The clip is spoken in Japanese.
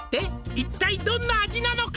「一体どんな味なのか」